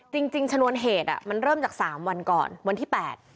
จริงชนวนเหตุมันเริ่มจาก๓วันก่อนวันที่๘